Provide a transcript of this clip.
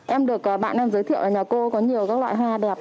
em được bạn em giới thiệu là nhà cô có nhiều các loại hoa đẹp